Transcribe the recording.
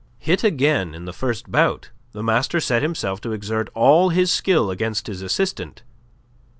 Hit again in the first bout, the master set himself to exert all his skill against his assistant.